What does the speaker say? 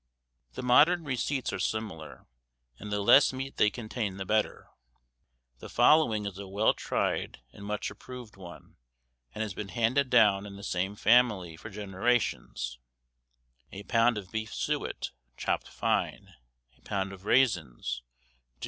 The modern receipts are similar, and the less meat they contain the better. The following is a well tried and much approved one, and has been handed down in the same family for generations: "A pound of beef suet, chopped fine; a pound of raisins, do.